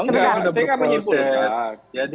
saya kan menyimpulkan